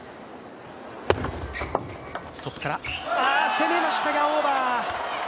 攻めましたが、オーバー。